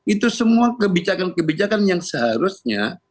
itu semua kebijakan kebijakan yang seharusnya